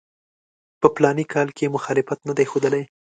په فلاني کال کې یې مخالفت نه دی ښودلی.